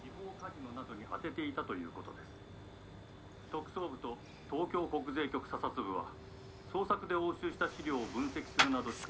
特捜部と東京国税局査察部は捜索で押収した資料を分析するなどして」。